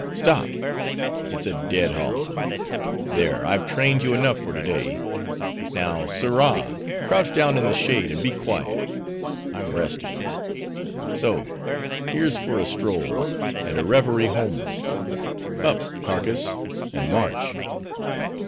Stop!—it's a dead halt. There, I've trained you enough for to day; now, sirrah, crouch down in the shade, and be quiet.—I'm rested. So, here's for a stroll, and a reverie homeward:— Up, carcass, and march.